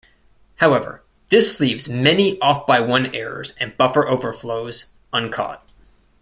However, this leaves many off-by-one errors and buffer overflows uncaught.